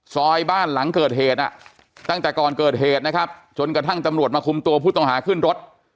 ซอยบ้านหลังเกิดเหตุตั้งแต่ก่อนเกิดเหตุนะครับจนกระทั่งตำรวจมาคุมตัวผู้ต้องหาขึ้นรถ